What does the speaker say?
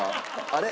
あれ？